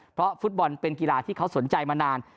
เพราะฟุตบอลเป็นกีฬาที่เขาสนใจมานาน